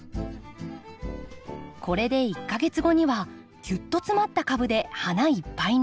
これで１か月後にはギュッと詰まった株で花いっぱいに。